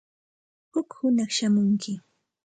Huk hunaq shamunki.